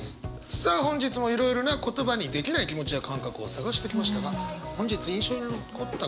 さあ本日もいろいろな言葉にできない気持ちや感覚を探してきましたが本日印象に残った言葉